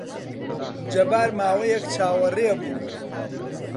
جەبار ماوەیەک چاوەڕێ بوو.